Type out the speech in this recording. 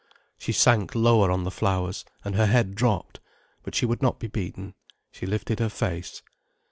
She sank lower on the flowers, and her head dropped. But she would not be beaten. She lifted her face.